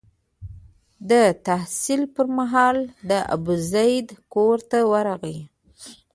د تحصیل پر مهال د ابوزید کور ته ورغلی.